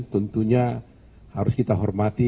tentunya harus kita hormati